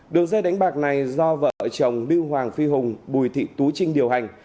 đường dây đánh bạc này do vợ chồng lưu hoàng phi hùng bùi thị tú trinh điều hành